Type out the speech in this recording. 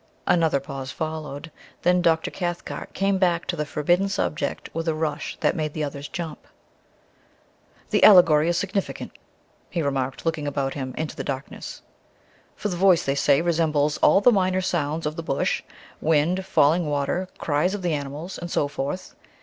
Another pause followed. Then Dr. Cathcart came back to the forbidden subject with a rush that made the others jump. "The allegory is significant," he remarked, looking about him into the darkness, "for the Voice, they say, resembles all the minor sounds of the Bush wind, falling water, cries of the animals, and so forth.